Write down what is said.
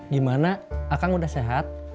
gimana akang udah sehat